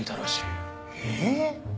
えっ！？